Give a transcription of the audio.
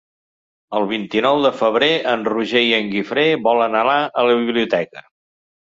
El vint-i-nou de febrer en Roger i en Guifré volen anar a la biblioteca.